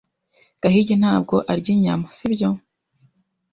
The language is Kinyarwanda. Gahigi ntabwo arya inyama, sibyo?